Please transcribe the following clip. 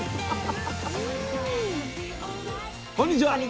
こんにちは。